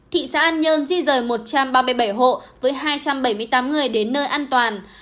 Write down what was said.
thị xã an nhơn di rời một trăm ba mươi bảy hộ với hai trăm bảy mươi tám người đến nơi an toàn